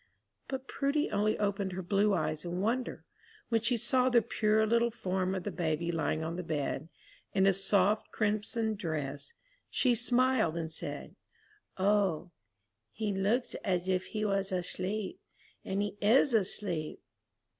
But Prudy only opened her blue eyes in wonder. When she saw the pure little form of the baby lying on the bed, in a soft crimson dress, she smiled and said, "O, he looks as if he was asleep, and he is asleep!"